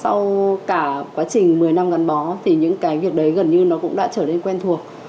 sau cả quá trình một mươi năm gắn bó thì những cái việc đấy gần như nó cũng đã trở nên quen thuộc